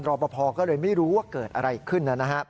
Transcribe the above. รอปภก็เลยไม่รู้ว่าเกิดอะไรขึ้นนะฮะ